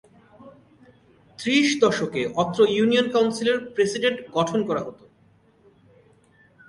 ত্রিশ দশকে অত্র ইউনিয়ন কাউন্সিলের প্রেসিডেন্ট গঠন কর হত।